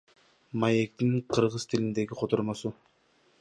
Маектин кыргыз тилиндеги котормосу.